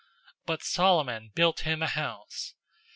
007:047 But Solomon built him a house.